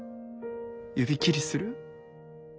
指切りする？